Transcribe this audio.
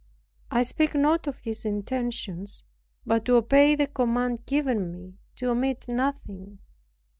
I speak not of his intentions, but to obey the command given me to omit nothing.